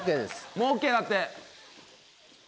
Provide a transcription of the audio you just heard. もうＯＫだって。